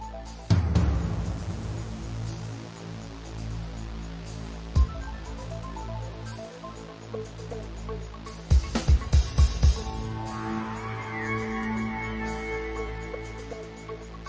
คุณเป็นบ้าจริง